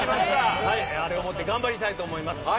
あれを持って頑張りたいと思います。